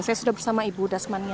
saya sudah bersama ibu dasmania